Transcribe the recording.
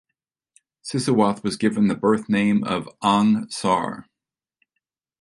Sisowath was given the birth name of "Ang Sar".